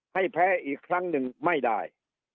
ให้แพ้อีกครั้งหนึ่งไม่ได้